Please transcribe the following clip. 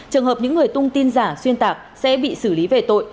trường hợp những người tung tin giả xuyên tạc sẽ bị xử lý về tội